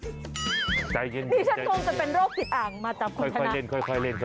นี่ฉันคงจะเป็นโรคติดอ่างมาจากคุณชนะ